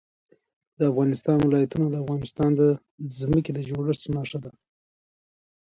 د افغانستان ولايتونه د افغانستان د ځمکې د جوړښت نښه ده.